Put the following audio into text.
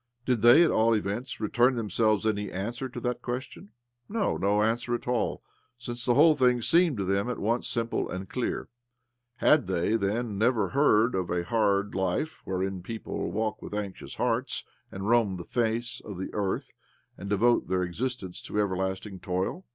* Did they, at all events, return themselyes any answer to that question? No, no answer at all, since the whole thing seemed to them at once simple and clear. Had they, then, never heard of a hard life wherein people walk with anxious hearts, and roam the face OBLOMOV 121 of the earth, and devote their existence to 1 everlasting toil?